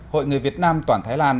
hội người việt nam toàn thái lan